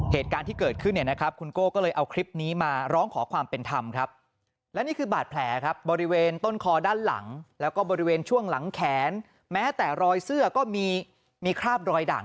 เหตุการณ์ที่เกิดขึ้นเนี่ยนะครับคุณโก้ก็เลยเอาคลิปนี้มาร้องขอความเป็นธรรมครับ